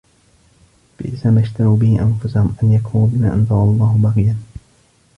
بِئْسَمَا اشْتَرَوْا بِهِ أَنْفُسَهُمْ أَنْ يَكْفُرُوا بِمَا أَنْزَلَ اللَّهُ بَغْيًا